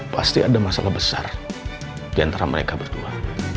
pasti ada masalah besar di antara mereka berdua